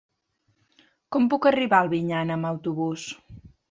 Com puc arribar a Albinyana amb autobús?